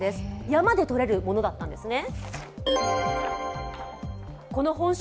山で採れるものだったんですね。